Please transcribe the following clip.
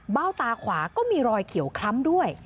ตาขวาก็มีรอยเขียวคล้ำด้วย